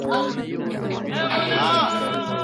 دا تعريفونه په اقتصادي تيورۍ کي موجود دي.